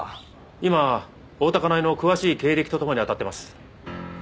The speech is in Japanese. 今大多香苗の詳しい経歴と共にあたってます。